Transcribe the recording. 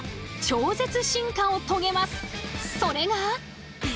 それが。